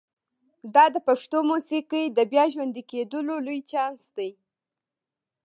دا د پښتو موسیقۍ د بیا ژوندي کېدو لوی چانس دی.